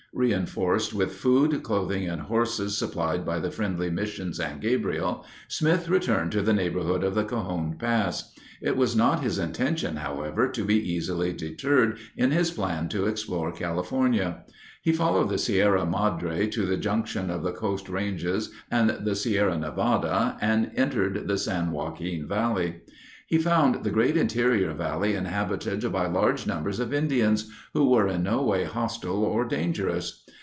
Reinforced with food, clothing, and horses supplied by the friendly Mission San Gabriel, Smith returned to the neighborhood of the Cajon Pass. It was not his intention, however, to be easily deterred in his plan to explore California. He followed the Sierra Madre to the junction of the Coast Ranges and the Sierra Nevada and entered the San Joaquin Valley. He found the great interior valley inhabited by large numbers of Indians, who were in no way hostile or dangerous.